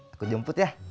aku jemput ya